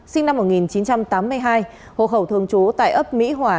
sinh năm một nghìn chín trăm tám mươi hai hộ khẩu thường trú tại ấp mỹ hòa